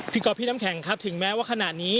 พี่กอภิน้ำแข็งครับถึงแม้ว่าขนาดนี้